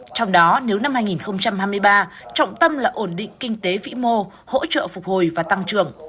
trong đó nếu năm hai nghìn hai mươi ba trọng tâm là ổn định kinh tế vĩ mô hỗ trợ phục hồi và tăng trưởng